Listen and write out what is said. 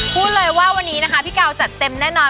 พูดเลยว่าวันนี้นะคะพี่กาวจัดเต็มแน่นอน